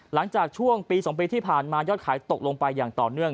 หลังจากช่วงปี๒ปีที่ผ่านมายอดขายตกลงไปอย่างต่อเนื่อง